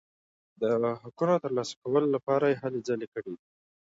د حقونو ترلاسه کولو لپاره یې هلې ځلې کړي دي.